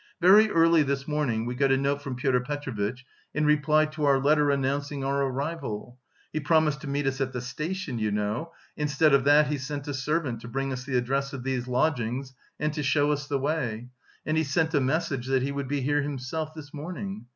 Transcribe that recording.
"Very early this morning we got a note from Pyotr Petrovitch in reply to our letter announcing our arrival. He promised to meet us at the station, you know; instead of that he sent a servant to bring us the address of these lodgings and to show us the way; and he sent a message that he would be here himself this morning.